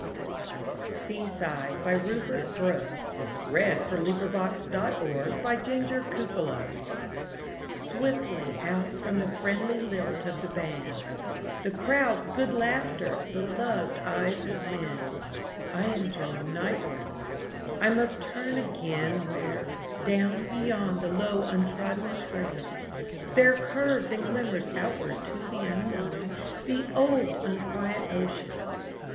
RD Rupert Brooke (1887–1915). Collected Poems. 1916. I. 1905–1908 8. Seaside SWIFTLY out from the friendly lilt of the band, The crowd's good laughter, the loved eyes of men,I am drawn nightward; I must turn againWhere, down beyond the low untrodden strand, There curves and glimmers outward to the unknownThe old unquiet ocean.